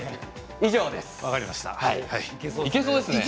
以上です。